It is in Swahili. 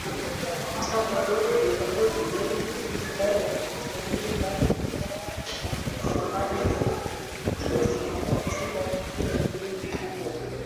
jambo lolote bila ya kutumia madawa hayo Ukizingatia pia bei kubwa